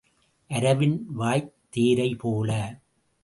அரவின் வாய்த் தேரைபோல.